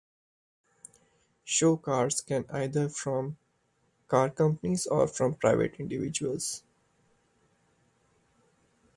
Show cars can either from car companies or from private individuals.